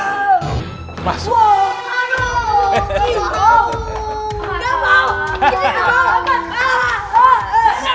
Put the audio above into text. gak mau ini gak mau